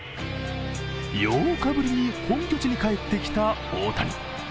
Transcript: ８日ぶりに本拠地に帰ってきた大谷。